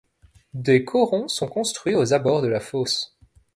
Des corons sont construits aux abords de la fosse.